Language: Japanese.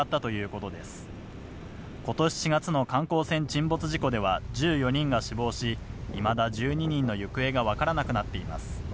ことし４月の観光船沈没事故では１４人が死亡し、いまだ１２人の行方が分からなくなっています。